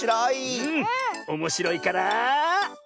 おもしろいから？